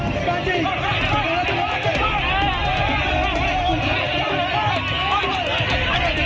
mereka gunakan sop yang ada di istana negara republik indonesia